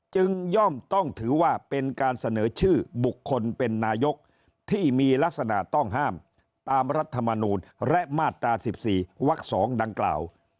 ย่อมต้องถือว่าเป็นการเสนอชื่อบุคคลเป็นนายกที่มีลักษณะต้องห้ามตามรัฐมนูลและมาตรา๑๔วัก๒ดังกล่าว